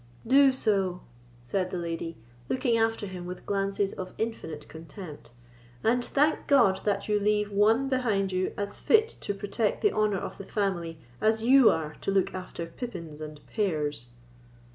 "Do so," said the lady, looking after him with glances of infinite contempt; "and thank God that you leave one behind you as fit to protect the honour of the family as you are to look after pippins and pears."